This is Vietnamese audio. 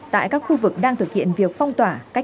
tại các khu vực đang thực hiện việc phong tỏa